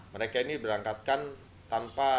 mereka ini berangkatkan tanpa